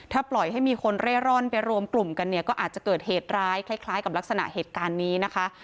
ถ้าปล่อยให้มีคนเร่ร่อนไปรวมกลุ่มกันเนี่ยก็อาจจะเกิดเหตุร้ายคล้ายกับลักษณะเหตุการณ์นี้นะคะ